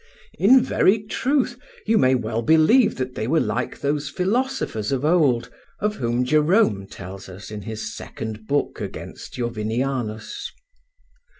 In very truth you may well believe that they were like those philosophers of old of whom Jerome tells us in his second book against Jovinianus.